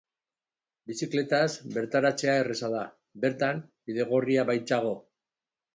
Bizikletaz bertaratzea erraza da, bertan bidegorria baitago.